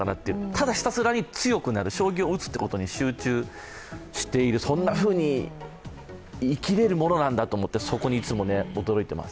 ただひたすらに強くなる、将棋を打つことに集中してる、そんなふうに言い切れるものなんだなと、そこにいつも驚いています